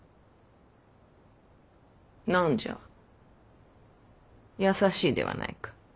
何じゃ優しいではないか。